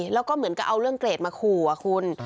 แล้วก็เหมือนกับเอาเรื่องเกรดมาขู่คุณ